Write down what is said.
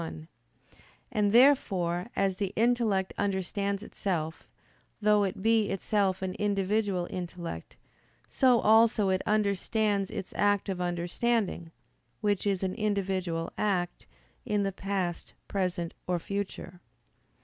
1); and therefore, as the intellect understands itself, though it be itself an individual intellect, so also it understands its act of understanding, which is an individual act, in the past, present, or future.